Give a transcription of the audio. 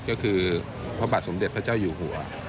ก็คือพระบาทสมเด็จพระเจ้าอยู่หัว